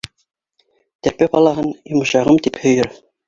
Терпе балаһын «йомшағым» тип һөйөр.